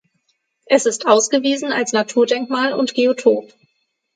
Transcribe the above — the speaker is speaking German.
Es ist ausgewiesen als Naturdenkmal und Geotop.